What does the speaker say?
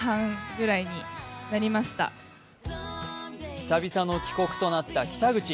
久々の帰国となった北口。